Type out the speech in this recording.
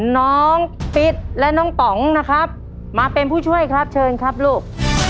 น้องฟิศและน้องป๋องนะครับมาเป็นผู้ช่วยครับเชิญครับลูก